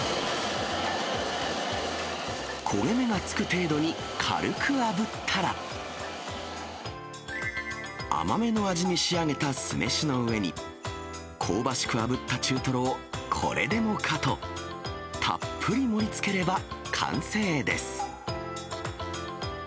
焦げ目がつく程度に軽くあぶったら、甘めの味に仕上げた酢飯の上に、香ばしくあぶった中トロをこれでもかと、たっぷり盛りつければ完成です。